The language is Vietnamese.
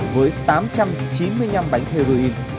với tám trăm chín mươi năm bánh heroin